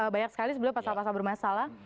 banyak sekali sebenarnya pasal pasal bermasalah